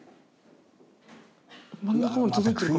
真ん中まで届いてるかな？